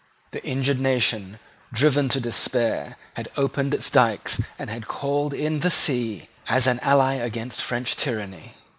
The injured nation, driven to despair, had opened its dykes and had called in the sea as an ally against the French tyranny.